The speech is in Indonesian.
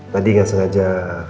tadi gak sengaja